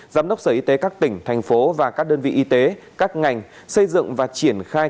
giám đốc sở y tế các tỉnh thành phố và các đơn vị y tế các ngành xây dựng và triển khai